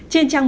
trên trang bốn